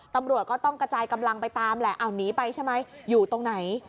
ตำรวจก็ต้องกระจายกำลังไปตามแหละเอานี้ไปใช่ไหม